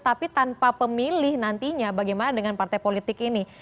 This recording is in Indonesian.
tapi tanpa pemilih nantinya bagaimana dengan partai politik ini